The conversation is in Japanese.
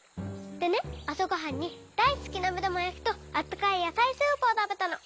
でねあさごはんにだいすきなめだまやきとあったかいやさいスープをたべたの。